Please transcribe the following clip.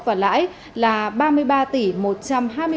và lãi là ba mươi ba tỷ